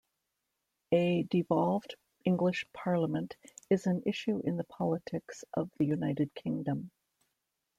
A devolved English parliament is an issue in the politics of the United Kingdom.